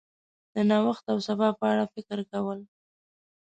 د نوښت او سبا په اړه فکر کول